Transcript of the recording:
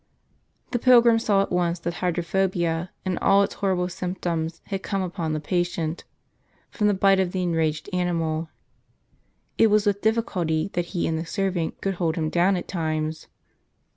The pilgrim saw at once that hydrophobia, with all its horrible symptoms, had come upon the patient, from the bite of the enraged animal. It was with difficulty that he and the servant could hold him down at times.